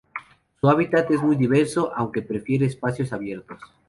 Su hábitat es muy diverso, aunque prefiere espacios abiertos.